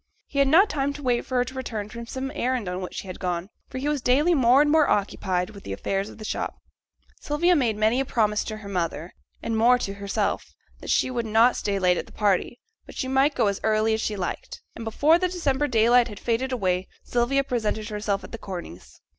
He had not time to wait for her return from some errand on which she had gone, for he was daily more and more occupied with the affairs of the shop. Sylvia made many a promise to her mother, and more to herself, that she would not stay late at the party, but she might go as early as she liked; and before the December daylight had faded away, Sylvia presented herself at the Corneys'.